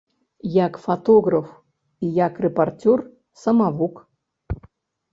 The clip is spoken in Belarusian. Як фатограф і як рэпарцёр самавук.